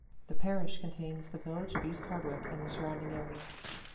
The parish contains the village of East Hardwick and the surrounding area.